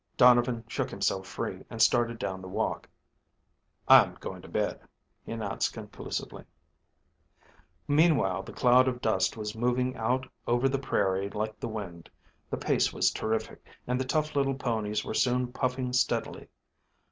Donovan shook himself free, and started down the walk. "I'm going to bed," he announced conclusively. Meanwhile the cloud of dust was moving out over the prairie like the wind. The pace was terrific, and the tough little ponies were soon puffing steadily.